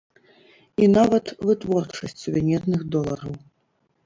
І нават вытворчасць сувенірных долараў.